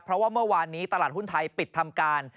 เพราะว่าเมื่อวานนี้ตลาดหุ้นไทยปิดทำการ